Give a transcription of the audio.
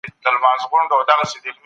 صنعتي انقلاب لویدیځې ټولني بدلې کړې.